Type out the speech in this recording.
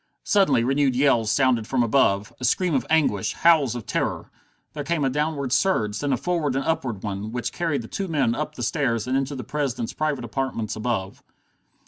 Suddenly renewed yells sounded from above, a scream of anguish, howls of terror. There came a downward surge, then a forward and upward one, which carried the two men up the stairs and into the President's private apartments above.